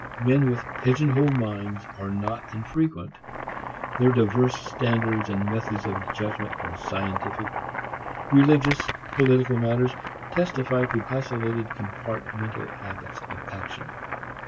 Men with "pigeon hole" minds are not infrequent. Their diverse standards and methods of judgment for scientific, religious, political matters testify to isolated compartmental habits of action.